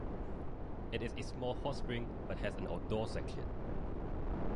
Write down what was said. It is a small hotspring but has an outdoor section.